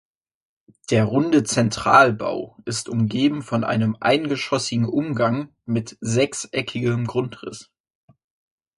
Der runde Zentralbau ist umgeben von einem eingeschossigen Umgang mit sechseckigem Grundriss.